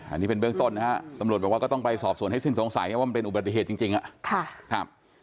อันนี้เป็นเบื้องต้นนะฮะตำรวจบอกว่าก็ต้องไปสอบส่วนให้สิ้นสงสัยว่ามันเป็นอุบัติเหตุจริง